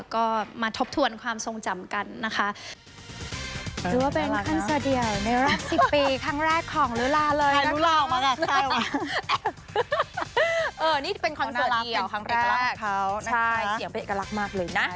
ก็มาทบทวนความทรงจำกันนะคะ